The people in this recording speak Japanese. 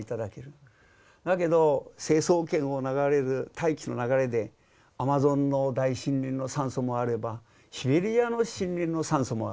だけど成層圏を流れる大気の流れでアマゾンの大森林の酸素もあればシベリアの森林の酸素もある。